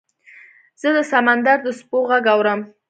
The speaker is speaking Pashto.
زه د سمندر د څپو غږ اورم .